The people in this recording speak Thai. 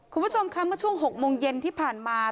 คุณผู้ชมคะเมื่อช่วง๖โมงเย็นที่ผ่านมา